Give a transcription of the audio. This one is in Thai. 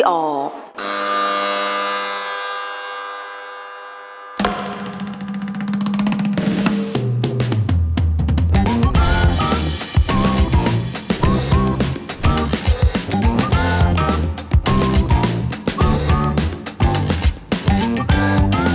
รางวัลที่๒ผู้ชายไก่